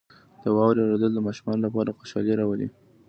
• د واورې اورېدل د ماشومانو لپاره خوشحالي راولي.